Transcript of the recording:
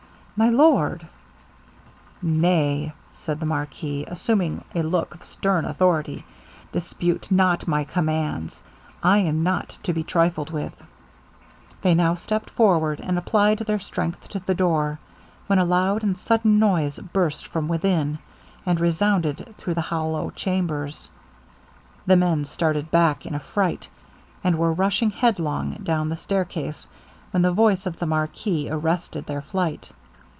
'My lord!' 'Nay,' said the marquis, assuming a look of stern authority 'dispute not my commands. I am not to be trifled with.' They now stepped forward, and applied their strength to the door, when a loud and sudden noise burst from within, and resounded through the hollow chambers! The men started back in affright, and were rushing headlong down the stair case, when the voice of the marquis arrested their flight.